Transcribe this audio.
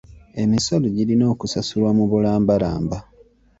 Emisolo girina okusasulwa mu bulambalamba.